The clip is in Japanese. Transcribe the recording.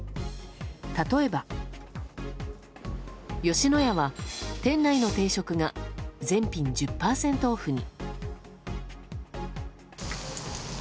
例えば吉野家は店内の定食が全品１０％オフに。